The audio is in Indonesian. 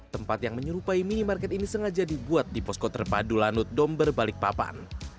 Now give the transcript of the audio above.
tempat yang menyerupai minimarket ini sengaja dibuat di posko terpadu lanut domber balikpapan